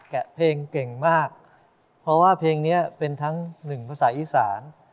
เพลงเก่งมากเพราะว่าเพลงนี้เป็นทั้งหนึ่งภาษาอีสาน